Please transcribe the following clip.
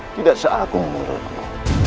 tidak seagung menurutmu